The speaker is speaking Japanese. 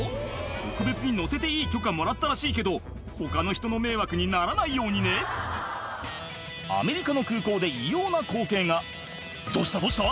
特別に乗せていい許可もらったらしいけど他の人の迷惑にならないようにねアメリカの空港で異様な光景がどうしたどうした？